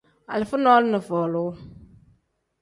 Alifa nole ni folu.